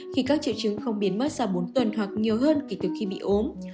khi các triệu chứng không biến mất sau bốn tuần hoặc nhiều hơn kể từ khi bị ốm